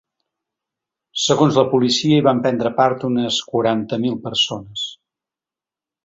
Segons la policia hi van prendre part unes quaranta mil persones.